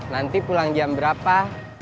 nanti pulang jam berapa